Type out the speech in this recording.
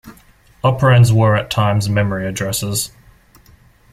Operands were at times memory addresses.